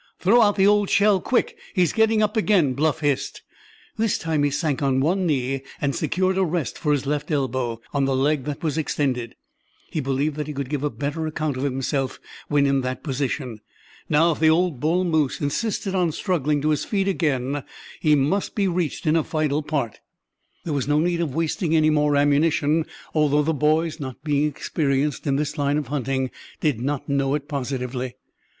"Throw out the old shell—quick, he's getting up again!" Bluff hissed. This time he sank on one knee, and secured a rest for his left elbow on the leg that was extended. He believed that he could give a better account of himself when in that position. Now if the old bull moose insisted on struggling to his feet again, he must be reached in a vital part. There was no need of wasting any more ammunition, although the boys, not being experienced in this line of hunting, did not know it positively.